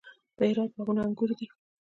د هرات باغونه انګور دي